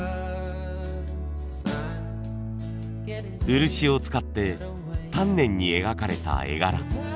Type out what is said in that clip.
漆を使って丹念に描かれた絵柄。